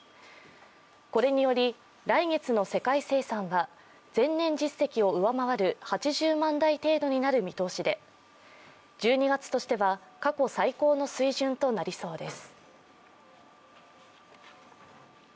これにより来月の世界生産は前年実績を上回る８０万台程度になる見通しで１２月としては過去最高の水準となりそうです。